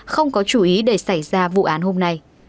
không có chú ý để xảy ra vụ án hôm nay